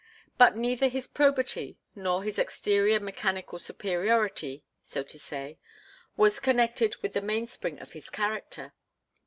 But neither his probity, nor his exterior mechanical superiority, so to say, was connected with the mainspring of his character.